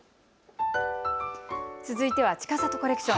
続いては、ちかさとコレクション。